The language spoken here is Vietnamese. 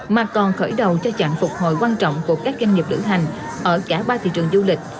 mà còn khởi đầu cho chạm phục hồi quan trọng của các doanh nghiệp lửa hành ở cả ba thị trường du lịch